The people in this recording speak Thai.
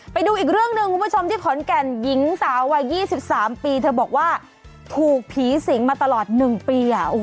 ไปดูอีกเรื่องหนึ่งคุณผู้ชมที่ขอนแก่นหญิงสาววัย๒๓ปีเธอบอกว่าถูกผีสิงมาตลอด๑ปี